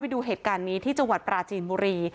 ดูเหตุการณ์นี้ที่จังหวัดปราจีนบุรี